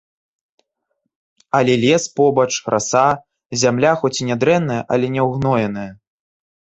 Але лес побач, раса, зямля хоць і нядрэнная, але няўгноеная.